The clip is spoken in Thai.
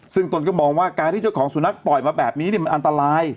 ซึ่งตนก็มองว่าการที่เจ้าของสุนัขปล่อยมาแบบนี้มันอันตราย